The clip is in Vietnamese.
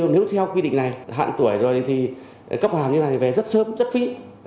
nếu theo quy định này hạn tuổi rồi thì cấp hàm như thế này về rất sớm rất phí